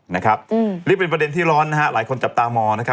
นี่เป็นประเด็นที่ร้อนหลายคนจับตามอง